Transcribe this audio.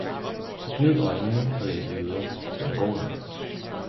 Så gnid øjnene og læs videre, den er god nok.